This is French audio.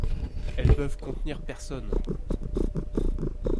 Elles peuvent contenir personnes.